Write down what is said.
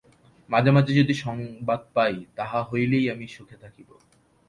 মাঝে মাঝে যদি সংবাদ পাই, তাহা হইলেই আমি সুখে থাকিব।